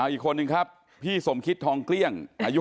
อีกคนนึงครับพี่สมคิดทองเกลี้ยงอายุ